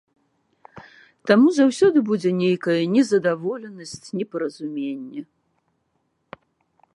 Таму заўсёды будзе нейкая незадаволенасць, непаразуменне.